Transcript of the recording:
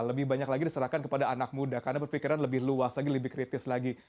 lebih banyak lagi diserahkan kepada anak muda karena berpikiran lebih luas lagi lebih kritis lagi